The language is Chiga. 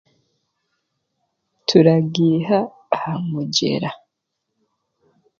Turagaiha aha mugyera